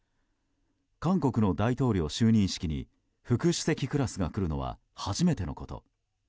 韓国の大統領就任式に副主席クラスが来るのは初めてのこと。